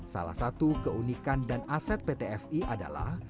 salah satu keunikan dan aset pt fi adalah